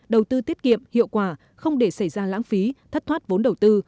đầu tư tiết kiệm hiệu quả không để xảy ra lãng phí thất thoát vốn đầu tư